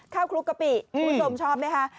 ข้าวครูกะปิคุณผู้ชมชอบไหมค่ะ